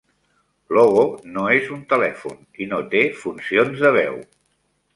L'Ogo no és un telèfon i no té funcions de veu.